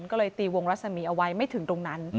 ก็เลยตีวงรัศมีเอาไว้ไม่ถึงตรงนั้น